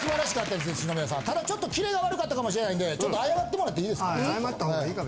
ただちょっとキレが悪かったかもしんないんでちょっと謝って貰っていいですか？